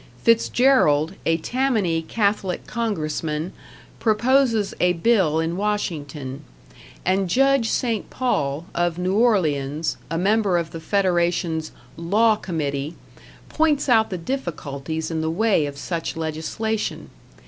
Fitzgerald, a Tammany Catholic congressman, proposes a bill in Washington; and Judge St. Paul, of New Orleans, a member of the Federation's "law committee", points out the difficulties in the way of such legislation.